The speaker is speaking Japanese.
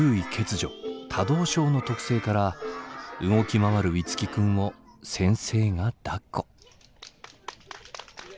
・多動症の特性から動き回る樹君を先生がだっこ。